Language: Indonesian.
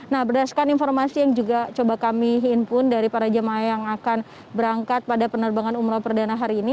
nah berdasarkan informasi yang juga coba kami himpun dari para jemaah yang akan berangkat pada penerbangan umroh perdana hari ini